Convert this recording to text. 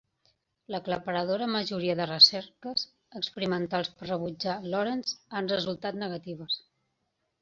L'aclaparadora majoria de recerques experimentals per rebutjar Lorentz han resultat negatives.